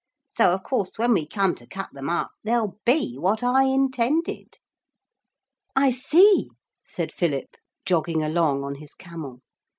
So, of course, when we come to cut them up they'll be what I intended.' 'I see,' said Philip, jogging along on his camel.